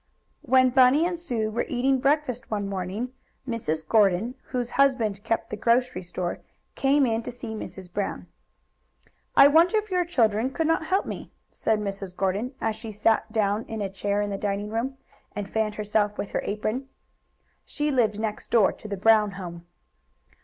When Bunny and Sue were eating breakfast one morning, Mrs. Gordon, whose husband kept the grocery store, came in to see Mrs. Brown. "I wonder if your children could not help me?" said Mrs. Gordon, as she sat down in a chair in the dining room, and fanned herself with her apron. She lived next door to the Brown home.